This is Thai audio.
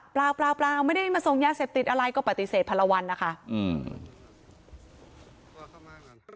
เปล่าไม่ได้มาส่งยาเสบติดอะไรก็ปฏิเสธพลวัลนะคะอืม